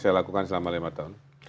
saya lakukan selama lima tahun